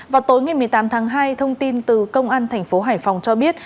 vào tối một mươi tám tháng hai thông tin từ công an tp hải phòng cho biết